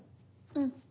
うん。